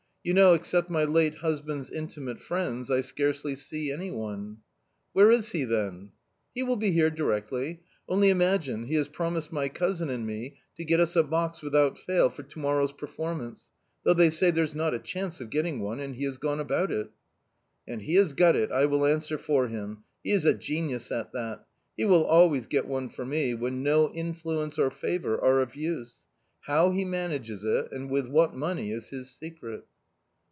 You know, except my late husband's intimate friends, I scarcely see any one." " Where is he then ?»" He will be here directly. Only imagine, he has promised my cousin and me to get us a box without fail for to morrow's performance, though they say there's not a chance of getting one, and he has gone about it." " And he has got it, I will answer for him ; he is a genius at that. He will always get one for me, when no influence or favour are of use. How he manages it, and with what money, is his secret."